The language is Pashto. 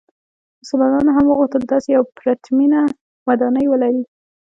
مسلمانانو هم وغوښتل داسې یوه پرتمینه ودانۍ ولري.